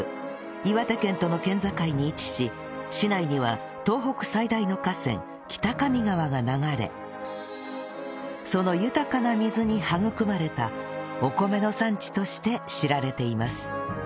岩手県との県境に位置し市内には東北最大の河川北上川が流れその豊かな水に育まれたお米の産地として知られています